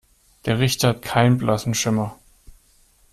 Der Richter hat keinen blassen Schimmer.